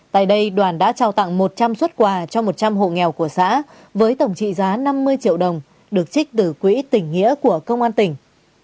tại đây đoàn đã trao tặng một trăm linh xuất quà cho một trăm linh hộ nghèo của xã với tổng trị giá năm mươi triệu đồng được trích từ quỹ tỉnh nghĩa của công an tỉnh